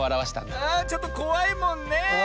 あちょっとこわいもんねえ。